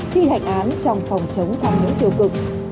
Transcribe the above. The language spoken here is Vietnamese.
thi hành án trong phòng chống tham nhũng tiêu cực